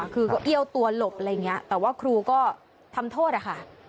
คือก็เอี้ยวตัวหลบอะไรอย่างนี้แต่ว่าครูก็ทำโทษอะค่ะ